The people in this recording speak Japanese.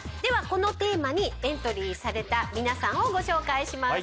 このテーマにエントリーされた皆さんをご紹介します。